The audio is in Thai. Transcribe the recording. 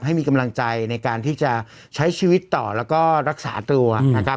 ให้มีกำลังใจในการที่จะใช้ชีวิตต่อแล้วก็รักษาตัวนะครับ